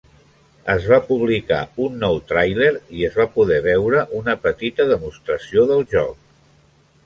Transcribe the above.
Es va publicar un nou tràiler i es va poder veure una petita demostració del joc.